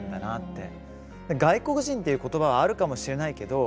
外国人っていうことばはあるかもしれないけど